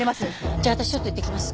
じゃあ私ちょっと行ってきます。